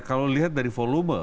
kalau lihat dari volume